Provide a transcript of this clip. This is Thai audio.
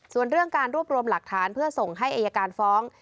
ส่วนเรื่องการรวบรวมหลักฐานเพื่อส่งให้อายการฟ้อง